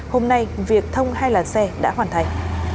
hôm nay việc thông hai làn xe đã hoàn thành